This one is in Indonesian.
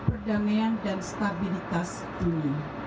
perdamaian dan stabilitas dunia